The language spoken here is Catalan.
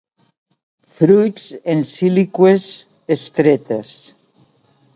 Fruits en síliqües estretes.